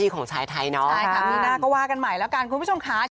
คุณผู้ชมค่ะ